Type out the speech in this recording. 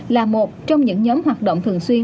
là một trong những nhóm hoạt động thường xuyên